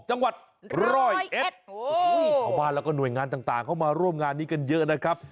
จังหวัดร้อยเอ็ดโอ้คุณผู้ชมชาวบ้านลูกหลานชาวอำเภอโพนทองมาร่วมงานกันเยอะนะครับ